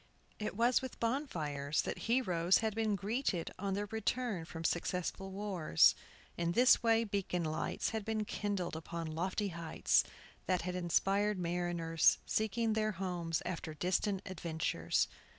It was with bonfires that heroes had been greeted on their return from successful wars. In this way beacon lights had been kindled upon lofty heights, that had inspired mariners seeking their homes after distant adventures.